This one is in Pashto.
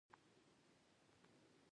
د ملګرو سره وخت تېرول خوند راکوي.